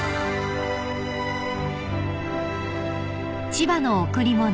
［『千葉の贈り物』］